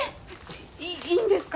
いいんですか？